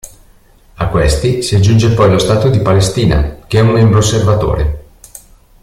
A questi si aggiunge poi lo Stato di Palestina, che è un membro osservatore.